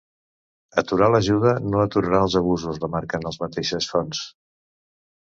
“Aturar l’ajuda no aturarà els abusos”, remarquen les mateixes fonts.